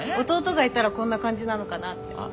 弟がいたらこんな感じなのかなって。